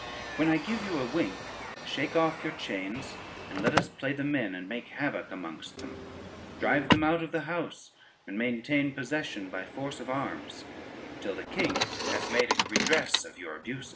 When I give you a wink, shake off your chains, and let us play the men, and make havoc amongst them, drive them out of the house and maintain possession by force of arms, till the king hath made a redress of your abuses."